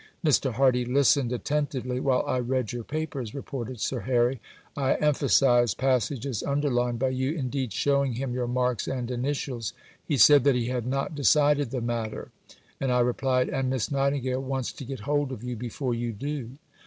"Mr. Hardy listened attentively while I read your papers," reported Sir Harry. "I emphasised passages underlined by you, indeed showing him your marks and initials. He said that he had not decided the matter, and I replied, 'And Miss Nightingale wants to get hold of you before you do.'